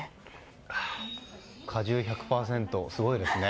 果汁１００％、すごいですね。